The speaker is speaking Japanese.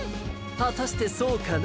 はたしてそうかな？